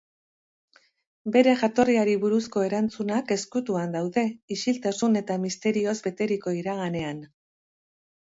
Bere jatorriari buruzko erantzunak ezkutuan daude, isiltasun eta misterioz beteriko iraganean.